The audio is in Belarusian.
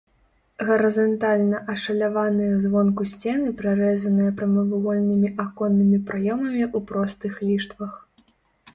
Гарызантальна ашаляваныя звонку сцены прарэзаныя прамавугольнымі аконнымі праёмамі ў простых ліштвах.